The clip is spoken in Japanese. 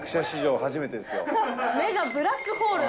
目がブラックホール。